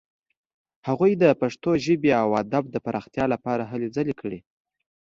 هغوی د پښتو ژبې او ادب د پرمختیا لپاره هلې ځلې کړې.